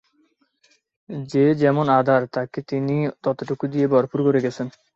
যে যেমন আধার, তাঁকে তিনি ততটুকু দিয়ে ভরপুর করে গেছেন।